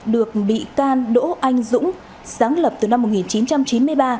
được bị can đỗ anh dũng sáng lập từ năm một nghìn chín trăm chín mươi ba